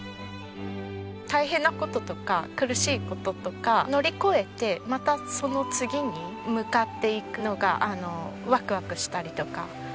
大変な事とか苦しい事とか乗り越えてまたその次に向かっていくのがワクワクしたりとか。